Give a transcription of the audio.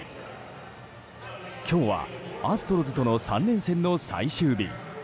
今日はアストロズとの３連戦の最終日。